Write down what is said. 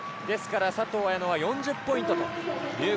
ですから佐藤綾乃は４０ポイント。